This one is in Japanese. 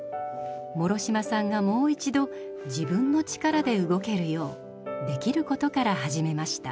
諸島さんがもう一度自分の力で動けるようできることから始めました。